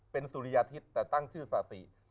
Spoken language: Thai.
เป็นสุริยธิษฐ์แต่ตั้งชื่อสาธิ